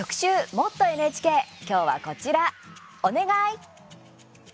「もっとＮＨＫ」今日はこちら、おねがい！